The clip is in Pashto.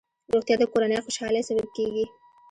روغتیا د کورنۍ خوشحالۍ سبب کېږي.